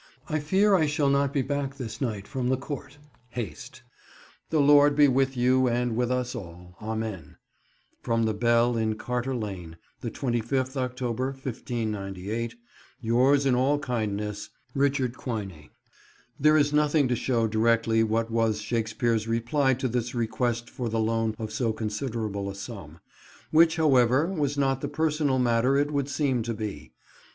I feare I shall nott be backe thys night ffrom the Cowrte. Haste. The Lorde be with yow and with vs all, amen. ffrom the Bell in Carter Lane, the 25th October, 1598. "Yowrs in all kyndnes "RYE. QUYNEY." There is nothing to show directly what was Shakespeare's reply to this request for the loan of so considerable a sum; which, however, was not the personal matter it would seem to be.